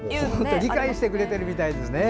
理解してくれてるみたいですね。